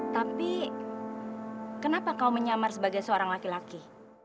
tapi kenapa kau menyamar sebagai seorang laki laki